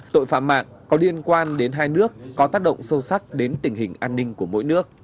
tội phạm mạng có liên quan đến hai nước có tác động sâu sắc đến tình hình an ninh của mỗi nước